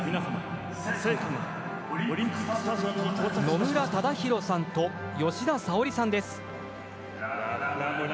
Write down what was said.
野村忠宏さんと吉田沙保里さんです。